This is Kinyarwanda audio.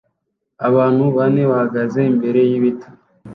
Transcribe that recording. Abantu bane bahagaze imbere y'ibiti